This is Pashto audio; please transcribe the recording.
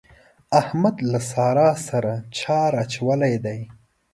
احمد له سارا سره چار اچولی دی.